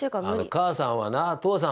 母さんはな父さん